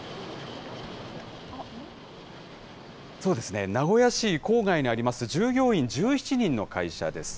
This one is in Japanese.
そうですね、名古屋市郊外にあります、従業員１７人の会社です。